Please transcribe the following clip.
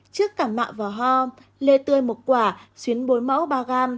trước cả mạng và hoa lê tươi một quả xuyên bối mẫu ba g